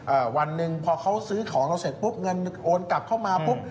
วันหนึ่งพอเขาซื้อของเราเสร็จปุ๊บเงินโอนกลับเข้ามาปุ๊บ